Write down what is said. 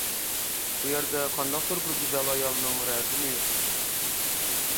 بۇ يەردە قانداقتۇر بىر گۈزەل ئايالنىڭ رەسىمى يوق.